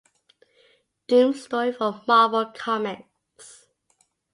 Doom story for Marvel Comics.